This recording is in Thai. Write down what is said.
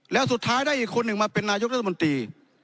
แล้วสุดท้ายได้อีกคนหนึ่งมาเป็นนายกรัฐมนตรี